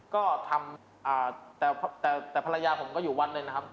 ก็ทำแต่ภรรยาผมก็อยู่วันหนึ่งนะครับ